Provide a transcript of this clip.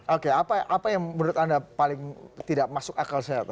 oke apa yang menurut anda paling tidak masuk akal sehat